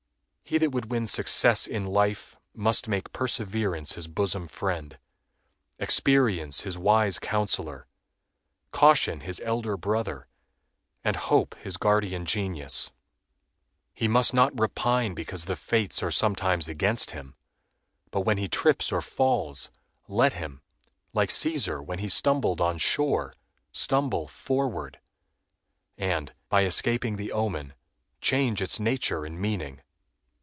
He that would win success in life must make Perseverance his bosom friend, Experience his wise counselor, Caution his elder brother, and Hope his guardian genius. He must not repine because the fates are sometimes against him, but when he trips or falls let him, like Cæsar when he stumbled on shore, stumble forward, and, by escaping the omen, change its nature and meaning.